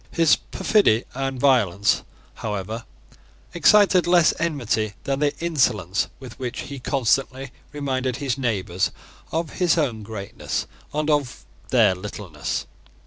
His perfidy and violence, however, excited less enmity than the insolence with which he constantly reminded his neighbours of his own greatness and of their littleness.